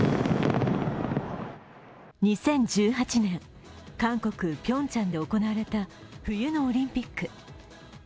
２０１８年、韓国・ピョンチャンで行われた冬のオリンピック。